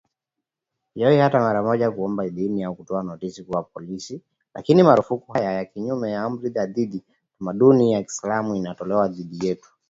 Hawajawahi hata mara moja kuomba idhini au kutoa notisi kwa polisi, lakini marufuku haya ya kinyume cha amri dhidi ya utamaduni ya kiislamu yanatolewa dhidi yetu